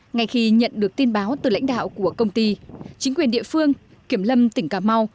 ngay khi nhận được tin báo từ lãnh đạo của công ty chính quyền địa phương kiểm lâm tỉnh cà mau